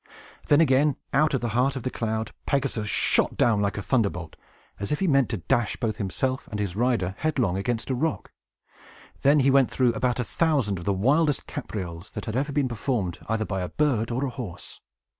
Then again, out of the heart of the cloud, Pegasus shot down like a thunderbolt, as if he meant to dash both himself and his rider headlong against a rock. Then he went through about a thousand of the wildest caprioles that had ever been performed either by a bird or a horse.